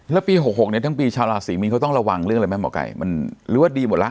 แล้วปี๖๖เนี่ยทั้งปีชาวราศีมีนเขาต้องระวังเรื่องอะไรไหมหมอไก่มันหรือว่าดีหมดแล้ว